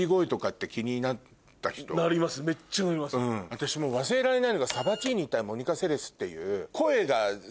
私もう忘れられないのがサバティーニ対モニカ・セレシュっていう。